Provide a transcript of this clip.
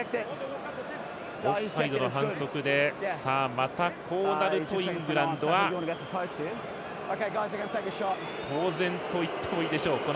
オフサイドの反則でまたこうなると、イングランドは当然といってもいいでしょう。